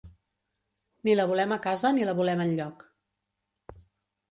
Ni la volem a casa ni la volem enlloc.